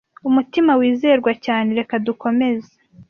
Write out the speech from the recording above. umutima wizerwa cyane reka dukomeze